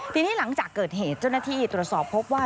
ทีนี้หลังจากเกิดเหตุเจ้าหน้าที่ตรวจสอบพบว่า